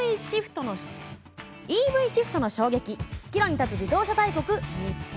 「ＥＶシフトの衝撃岐路に立つ自動車大国・日本」。